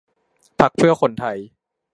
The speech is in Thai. พรรคเพื่อคนไทย